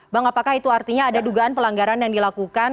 bang apakah itu artinya ada dugaan pelanggaran yang dilakukan